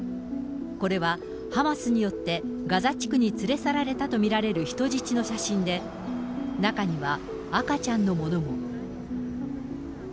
これはハマスによってガザ地区に連れ去られたと見られる人質の写真で、中には赤ちゃんのものも。